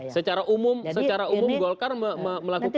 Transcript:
secara umum secara umum golkar melakukan